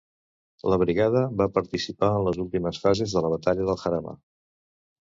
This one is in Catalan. La brigada va participar en les últimes fases de la Batalla del Jarama.